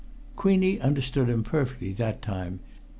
Queenie understood him perfectly that time.